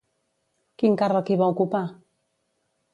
Quin càrrec hi va ocupar?